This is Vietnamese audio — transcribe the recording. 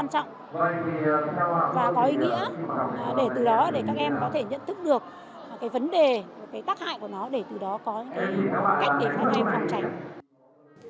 nó là một việc rất quan trọng và có ý nghĩa để từ đó các em có thể nhận thức được vấn đề tác hại của nó để từ đó có cách để các em phòng tránh